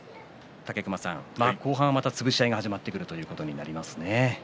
後半またつぶし合いが始まってくるということになりますね。